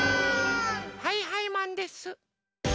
はいはいマンです！